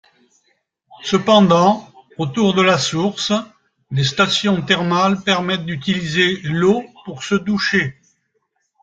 Cependant, autour de la source, des stations thermales permettent d'utiliser l'eau pour se doucher.